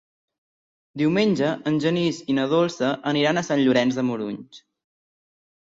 Diumenge en Genís i na Dolça aniran a Sant Llorenç de Morunys.